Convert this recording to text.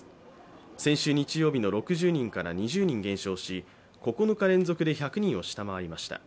先週日曜日の６０人から２０人減少し、９日連続で１００人を下回りました。